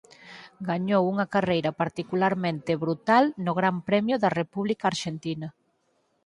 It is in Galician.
Gañou unha carreira particularmente brutal no Gran Premio da República Arxentina.